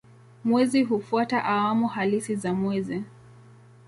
Mwezi hufuata awamu halisi za mwezi.